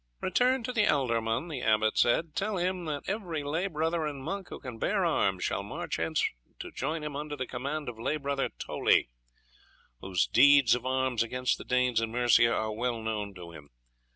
"Return to the ealdorman," the abbot said; "tell him that every lay brother and monk who can bear arms shall march hence to join him under the command of lay brother Toley, whose deeds of arms against the Danes in Mercia are well known to him.